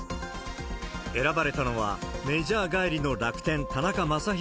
選ばれたのは、メジャー帰りの楽天、田中将大